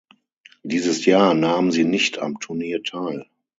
Dieses Jahr nahmen sie nicht am Turnier teil.